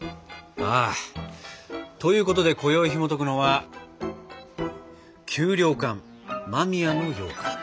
ああということでこよいひもとくのは「給糧艦間宮のようかん」。